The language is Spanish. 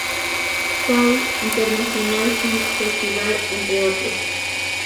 Paul International Film Festival," entre otros.